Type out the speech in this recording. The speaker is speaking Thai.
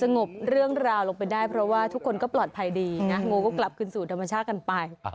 งบเรื่องราวลงไปได้เพราะว่าทุกคนก็ปลอดภัยดีนะงูก็กลับคืนสู่ธรรมชาติกันไป